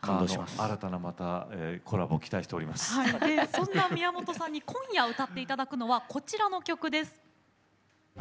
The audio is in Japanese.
新たなのコラボをそんな宮本さんに今夜歌っていただくのはこちらの曲です。